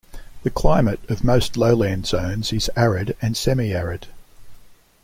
The climate of most lowland zones is arid and semiarid.